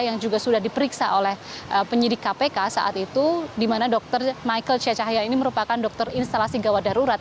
yang juga sudah diperiksa oleh penyidik kpk saat itu di mana dr michael cecahya ini merupakan dokter instalasi gawat darurat